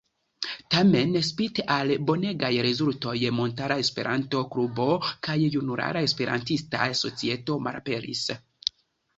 Tamen, spite al la bonegaj rezultoj, Montara Esperanto-Klubo kaj Junulara Esperantista Societo malaperis.